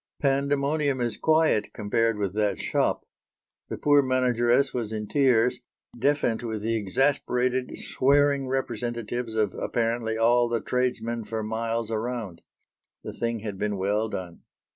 Pandemonium is quiet compared with that shop. The poor manageress was in tears, deafened with the exasperated, swearing representatives of, apparently, all the tradesmen for miles around. The thing had been well done.